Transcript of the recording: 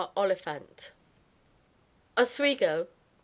Oliphant. OSWEGO, Nov.